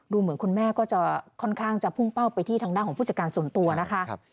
เหมือนคุณแม่ก็จะค่อนข้างจะพุ่งเป้าไปที่ทางด้านของผู้จัดการส่วนตัวนะคะ